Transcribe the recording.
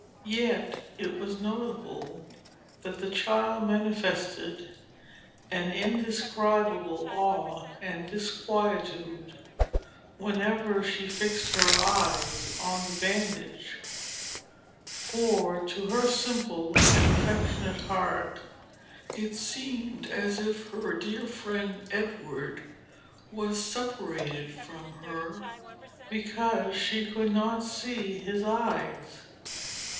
Yet it was noticeable, that the child manifested an indescribable awe and disquietude, whenever she fixed her eyes on the bandage; for to her simple and affectionate heart, it seemed as if her dear friend Edward was separated from her, because she could not see his eyes.